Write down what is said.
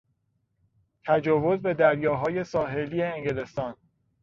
تجاوز به دریاهای ساحلی انگلستان